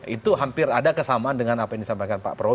itu hampir ada kesamaan dengan apa yang disampaikan pak prabowo